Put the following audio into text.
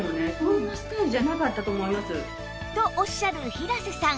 とおっしゃる平瀬さん